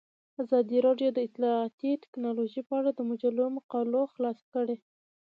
ازادي راډیو د اطلاعاتی تکنالوژي په اړه د مجلو مقالو خلاصه کړې.